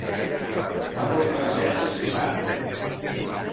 Parla francès, estimat?